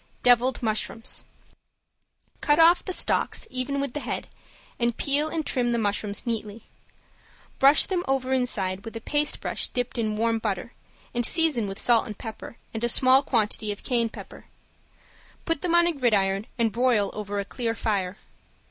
~DEVILED MUSHROOMS~ Cut off the stalks even with the head and peel and trim the mushrooms neatly. Brush them over inside with a paste brush dipped in warm butter, and season with salt and pepper, and a small quantity of cayenne pepper. Put them on a gridiron and broil over a clear fire.